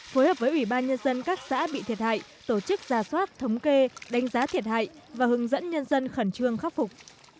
phối hợp với ủy ban nhân dân các xã bị thiệt hại tổ chức ra soát thống kê đánh giá thiệt hại và hướng dẫn nhân dân khẩn trương khắc phục